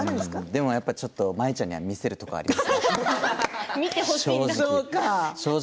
でもちょっと前ちゃんには見せるところがありますね正直。